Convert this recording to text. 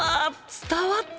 伝わった！